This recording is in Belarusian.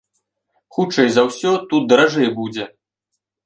Хутчэй за ўсё, тут даражэй будзе.